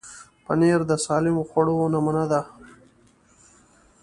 پنېر د سالمو خوړو نمونه ده.